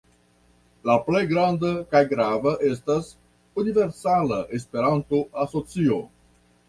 La plej granda kaj grava estas Universala Esperanto-Asocio.